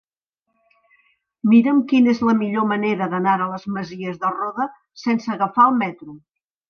Mira'm quina és la millor manera d'anar a les Masies de Roda sense agafar el metro.